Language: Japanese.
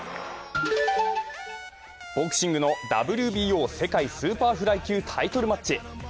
ボクシングのＷＢＯ世界スーパーフライ級タイトルマッチ。